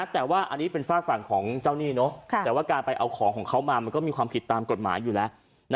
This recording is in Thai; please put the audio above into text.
แต่ว่าอันนี้เป็นฝากฝั่งของเจ้าหนี้แต่ว่าการไปเอาของของเขามามันก็มีความผิดตามกฎหมายอยู่แล้ว